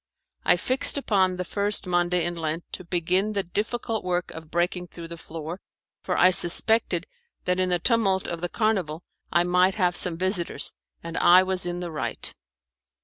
I fixed upon the first Monday in Lent to begin the difficult work of breaking through the floor, for I suspected that in the tumult of the carnival I might have some visitors, and I was in the right.